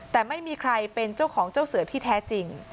แต่ไม่มีใครเป็นเจ้าของเจ้าเสือที่แท้จริง